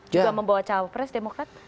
juga membawa cawapres demokrat